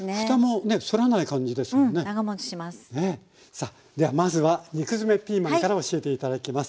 さあではまずは肉詰めピーマンから教えて頂きます。